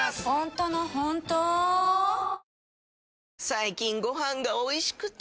最近ご飯がおいしくて！